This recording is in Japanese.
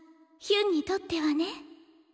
ヒュンにとってはね。